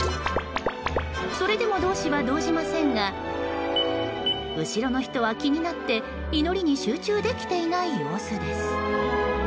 それでも導師は動じませんが後ろの人は気になって祈りに集中できていない様子です。